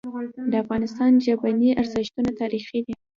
د افغانستان ژبني ارزښتونه تاریخي دي.